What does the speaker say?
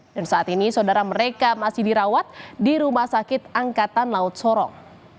dan saat ini saudara mereka masih dirawat di rumah sakit angkatan laut sorong